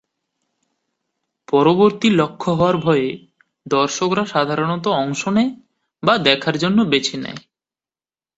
পরবর্তী লক্ষ্য হওয়ার ভয়ে দর্শকরা সাধারণত অংশ নেয় বা দেখার জন্য বেছে নেয়।